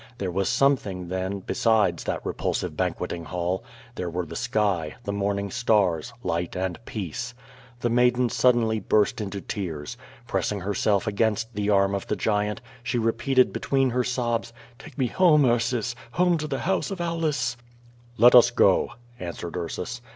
There was something, then, besides that repulsive banqueting hall. There were the sky, the morning stars, light and peace. The maiden suddenly burst into tears. Pressing herself against the arm of the giant, she repeated between her sobs: '^ake me home, Ursus, home to the house of Au lua." r QUO VADI8. 73 "Let us go/^ answered Ursus.